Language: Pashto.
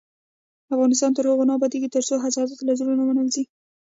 افغانستان تر هغو نه ابادیږي، ترڅو حسادت له زړونو ونه وځي.